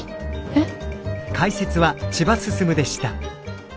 えっ？